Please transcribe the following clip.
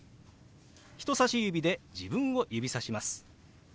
人さし指で自分を指さします。